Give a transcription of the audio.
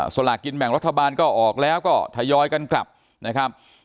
สลากินแบ่งรัฐบาลก็ออกแล้วก็ทยอยกันกลับนะครับ